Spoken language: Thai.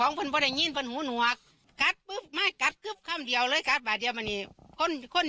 ก่อนนั้นแม่คิดว่าอาการของคนที่ถูกกัดเนี่ยจะเป็นอะไรมากมั้ยนะ